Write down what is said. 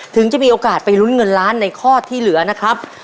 ถึงจะมีโอกาสไปลุ้นเงินล้านในข้อที่เหลือนะครับ